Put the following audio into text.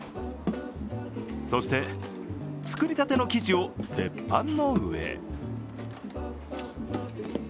そして、作りたての生地を鉄板の上へ。